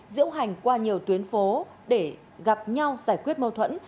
diễu hành qua nhiều tuyến phố để gặp nhau giải quyết mâu thuẫn